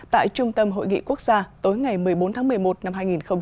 tại trung tâm hội nghị quốc gia tối ngày một mươi bốn tháng một mươi một năm hai nghìn một mươi chín